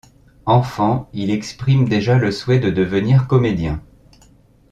Enfant, il exprime déjà le souhait de devenir comédien.